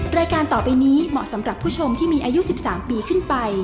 รายการต่อไปนี้เหมาะสำหรับผู้ชมที่มีอายุ๑๓ปีขึ้นไป